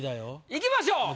いきましょう。